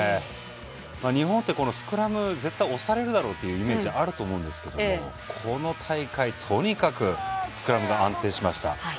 日本って、スクラム絶対押されるだろうっていうイメージがあると思うんですけどこの大会、とにかくスクラムが安定しました。